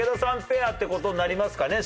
ペアって事になりますかね